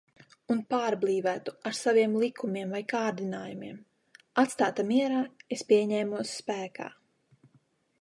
Un pārblīvētu ar saviem likumiem vai kārdinājumiem. Atstāta mierā, es pieņemos spēkā.